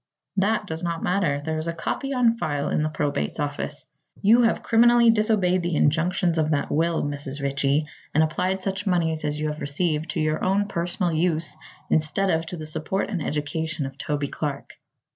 "That does not matter. There is a copy on file in the probate's office. You have criminally disobeyed the injunctions of that will, Mrs. Ritchie, and applied such moneys as you have received, to your own personal use, instead of to the support and education of Toby Clark."